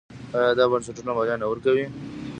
آیا دا بنسټونه مالیه نه ورکوي؟